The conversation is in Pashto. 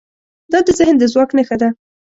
دا د ذهن د ځواک نښه ده.